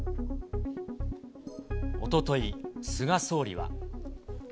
おととい、菅総理は。